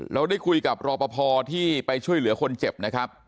เราได้คุยกับรอปภที่ไปช่วยเหลือคนเจ็บนะครับ